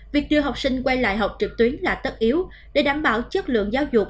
việc đưa học sinh quay lại học trực tuyến là tất yếu để đảm bảo chất lượng giáo dục